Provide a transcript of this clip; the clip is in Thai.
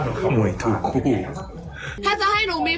หนูก็ตามจากพี่เก่งไง